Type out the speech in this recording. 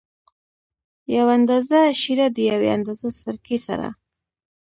یو اندازه شېره د یوې اندازه سرکې سره.